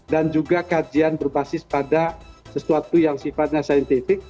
dan juga kajian berbasis pada sesuatu yang sifatnya saintifik